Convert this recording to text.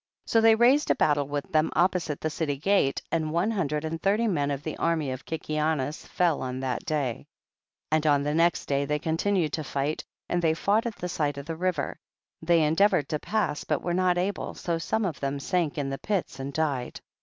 16. So they raised a battle with them opposite the city gate, and one hundred and thirty men of the army of Kikianus fell on that day. 17. And on the next day they con tinued to fight and they fought at the side of the river ; they endeavored to pass but were not able, so some of them sank in the pits and died.